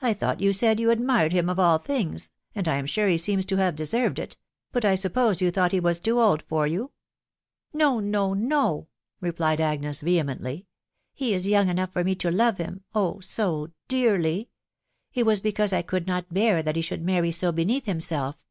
ce I thought you said you admired him of all things, and I am sure he seems to have deserved it ; but I suppose you thought he was too old for you3 tc No ! no ! no !" replied Agnes vehemently ..•." He is young enough for me to love him, oh ! so dearly !.... It was because I could not bear that he should marry so beneath him self